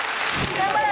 頑張れ！